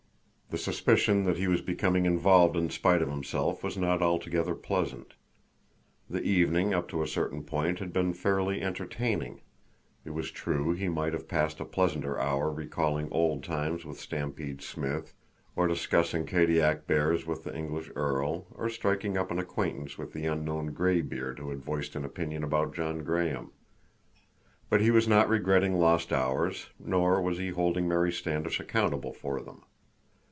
The suspicion that he was becoming involved in spite of himself was not altogether pleasant. The evening, up to a certain point, had been fairly entertaining. It was true he might have passed a pleasanter hour recalling old times with Stampede Smith, or discussing Kadiak bears with the English earl, or striking up an acquaintance with the unknown graybeard who had voiced an opinion about John Graham. But he was not regretting lost hours, nor was he holding Mary Standish accountable for them.